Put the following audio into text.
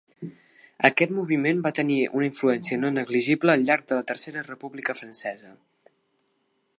Aquest moviment va tenir una influència no negligible al llarg de la Tercera República francesa.